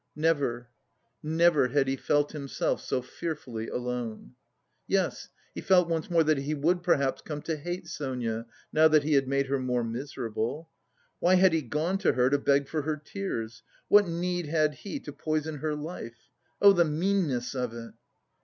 Never, never had he felt himself so fearfully alone! Yes, he felt once more that he would perhaps come to hate Sonia, now that he had made her more miserable. "Why had he gone to her to beg for her tears? What need had he to poison her life? Oh, the meanness of it!"